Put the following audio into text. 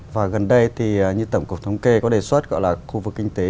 và gần đây thì như tổng cục thống kê có đề xuất gọi là khu vực kinh tế